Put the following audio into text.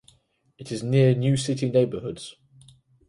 It is near new city neighborhoods.